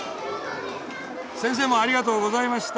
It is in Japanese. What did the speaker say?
先生もありがとうございました。